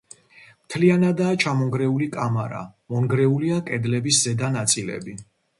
მთლიანადაა ჩამონგრეული კამარა, მონგრეულია კედლების ზედა ნაწილები.